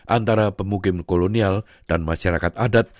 antara pemukim kolonial dan masyarakat adat